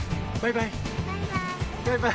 バイバイ！